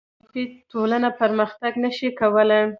مصرفي ټولنه پرمختګ نشي کولی.